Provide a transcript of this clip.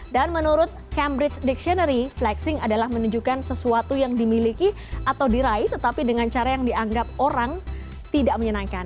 dan menurut cambridge dictionary flexing adalah menunjukkan sesuatu yang dimiliki atau diraih tetapi dengan cara yang dianggap orang tidak menyenangkan